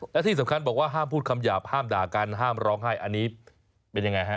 และที่สำคัญบอกว่าห้ามพูดคำหยาบห้ามด่ากันห้ามร้องไห้อันนี้เป็นยังไงฮะ